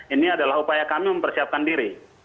ini adalah upaya kami mempersiapkan diri